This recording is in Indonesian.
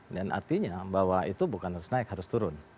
dan artinya bahwa itu bukan harus naik harus turun